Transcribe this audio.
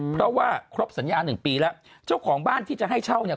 เพราะว่าครบสัญญาหนึ่งปีแล้วเจ้าของบ้านที่จะให้เช่าเนี่ย